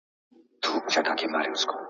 ورته ژاړه چي له حاله دي خبر سي.